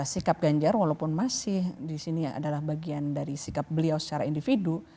sikap ganjar walaupun masih di sini adalah bagian dari sikap beliau secara individu